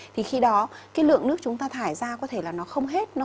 thì khi đó cái lượng nước chúng ta thải ra có thể là nó không hết